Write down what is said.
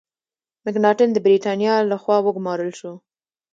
مکناټن د برتانیا له خوا وګمارل شو.